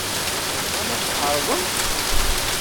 Tebɣam ad tɛerḍem?